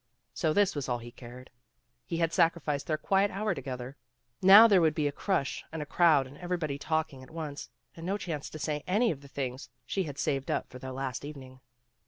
So this was all he cared. He had sacrificed their quiet hour together. Now there would be a crush and a crowd and everybody talking at once, and no chance to say any of the things she had saved up for their last evening.